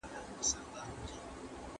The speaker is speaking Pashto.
¬ هندو ژړل پياز ئې خوړل.